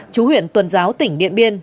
chú huyện tuần giáo tỉnh điện biên